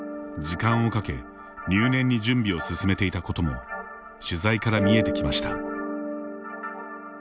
時間をかけ入念に準備を進めていたことも取材から見えてきました。